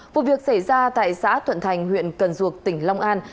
vụ việc xảy ra tại xã thuận thành huyện cần duộc tỉnh long an